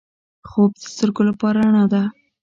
خوب د سترګو لپاره رڼا ده